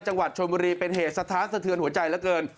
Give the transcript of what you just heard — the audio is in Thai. จังหวัดชนบุรีเป็นเหตุสะท้านสะเทือนหัวใจเหลือเกิน